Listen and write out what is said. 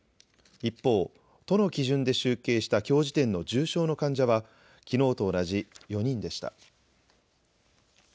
一方、都の基準で集計したきょう時点の重症の患者は、きのうと同じ４人でした。